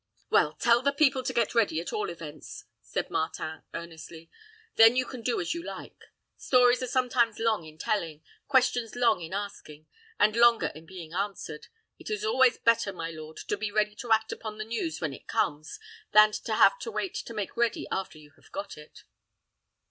"Well, tell the people to get ready, at all events," said Martin, earnestly; "then you can do as you like. Stories are sometimes long in telling, questions long in asking, and longer in being answered. It is better always, my lord, to be ready to act upon the news when it comes, than to have to wait to make ready after you have got it."